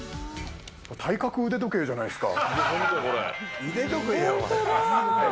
体格腕時計じゃないですか。